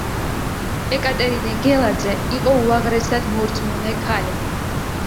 ეკატერინე გელაძე იყო უაღრესად მორწმუნე ქალი.